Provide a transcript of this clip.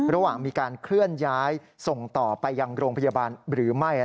ระหว่างมีการเคลื่อนย้ายส่งต่อไปยังโรงพยาบาลหรือไม่